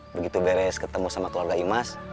begitu beres ketemu sama keluarga imas